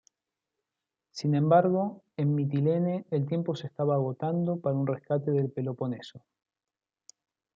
Sin embargo, en Mitilene el tiempo se estaba agotando para un rescate del Peloponeso.